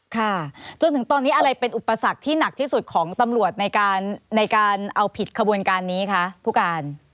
ค่ะจนถึงตอนนี้อะไรเป็นอุปสรรคที่หนักที่สุดของตำรวจในการเอาผิดขบวนการนี้คะผู้การ